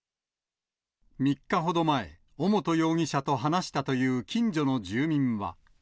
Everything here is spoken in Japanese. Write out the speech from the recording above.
３日ほど前、尾本容疑者と話したという近所の住民は。